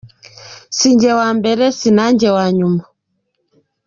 Si njye wa mbere sinajye wa nyuma.